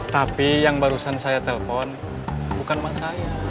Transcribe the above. tapi yang barusan saya telpon bukan pak saya